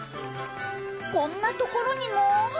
こんなところにも！？